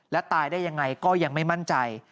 และตายได้ยังไงก็ยังไม่มั่นใจ